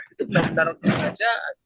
itu benar benar sengaja